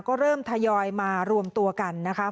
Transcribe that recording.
ก็เริ่มทยอยมารวมตัวกันนะคะ